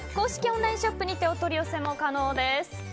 オンラインショップにてお取り寄せも可能です。